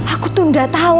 aku tuh gak tau